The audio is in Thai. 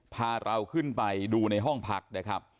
พาเราขึ้นไปดูในห้องพักนะครับ